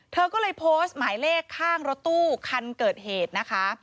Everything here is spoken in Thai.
เธอก็เลยโพสต์หมายเลขข้างรถตู้คันเกิดเหตุนะคะ